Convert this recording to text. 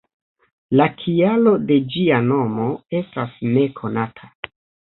La kialo de ĝia nomo estas nekonata.